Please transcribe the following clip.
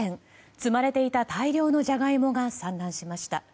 積まれていた大量のジャガイモが散乱しました。